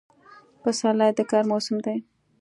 پسرلی د کار موسم دی.